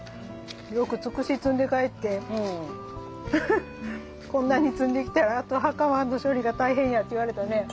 よくツクシ摘んで帰ってこんなに摘んできたらあとハカマの処理が大変やって言われたね。